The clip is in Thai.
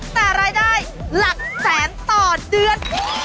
แต่รายได้หลักแสนต่อเดือน